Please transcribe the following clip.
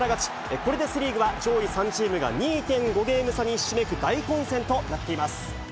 これでセ・リーグは上位３チームが２．５ゲーム差にひしめく大混戦となっています。